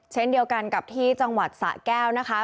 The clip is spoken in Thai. เช่นเดียวกันกับที่จังหวัดสะแก้วนะคะ